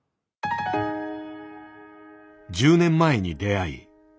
１０年前に出会い